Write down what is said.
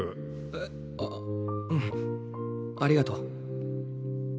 えっあっうんありがとう。